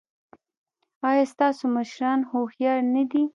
ایا ستاسو مشران هوښیار نه دي؟